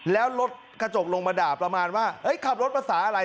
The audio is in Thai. แล้วรถกระจกลงมาด่าประมาณว่าขับรถภาษาอะไร